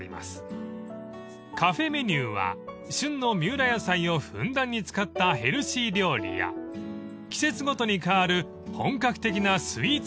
［カフェメニューは旬の三浦野菜をふんだんに使ったヘルシー料理や季節ごとに変わる本格的なスイーツが味わえます］